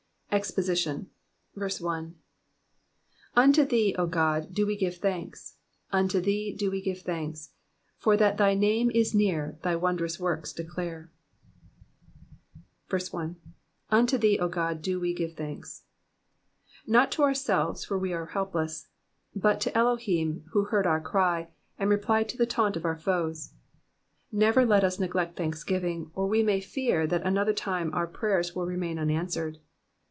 EXPOSITION. UNTO thee, O God, do we give thanks, un/o thee do we give thanks : for that thy name is near thy wondrous works declare. 1, "'^Unto ikee, 0 Ood^ do ws give thanks^ Not to ourselves, for we were helpless, but to Elohitn who heard our cry, and replied to the taunt of our foes. Never let us neglect thanksgiving, or we may fear that another time our prayers will remain unanswered.